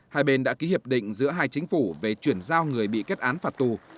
hai bên đã ký hiệp định giữa hai chính phủ về chuyển giao người bị kết án phạt tù